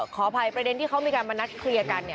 ขออภัยประเด็นที่เขามีการมานัดเคลียร์กัน